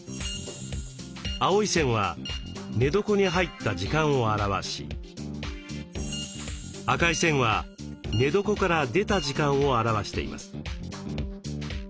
青い線は寝床に入った時間を表し赤い線は寝床から出た時間を表しています。